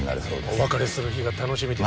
お別れする日が楽しみです